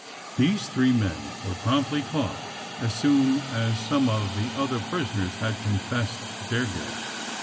These three men were promptly caught as soon as some of the other prisoners had confessed their guilt.